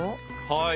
はい。